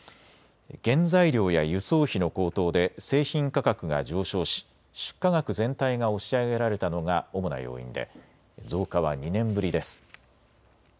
原材料や輸送費の高騰で製品価格が上昇し出荷額全体が押し上げられたのが主な要因で増加は２年ぶりです。